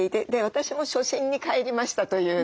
私も初心に帰りました」というね。